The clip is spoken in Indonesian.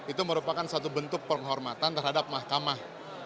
itu merupakan satu bentuk penghormatan terhadap mahkamah